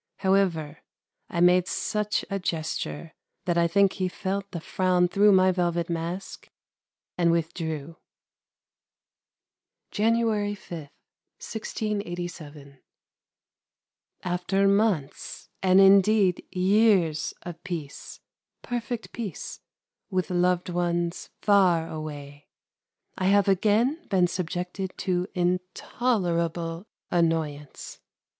However, I made such a gesture, that I think he felt the frown through my velvet mask and withdrew. January 5, 1687. After months, and indeed years of peace, perfect peace, with loved ones far away, I have again been subjected to intolerable annoyance.